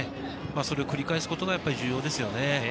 それを繰り返すことが重要ですね。